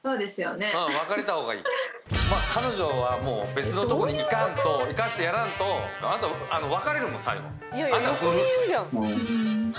彼女は別のとこに行かんと行かせてやらんとあなた別れるもん最後。